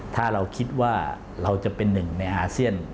ถ้าเราคิดว่าเราจะเป็นหนึ่งในอาเซียน